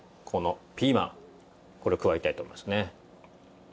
このピーマンこれを加えたいと思いますね。